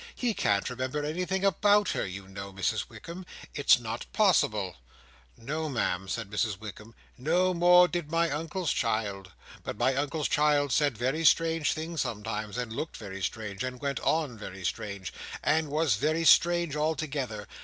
"He can't remember anything about her, you know, Mrs Wickam. It's not possible." "No, Ma'am," said Mrs Wickam "No more did my Uncle's child. But my Uncle's child said very strange things sometimes, and looked very strange, and went on very strange, and was very strange altogether.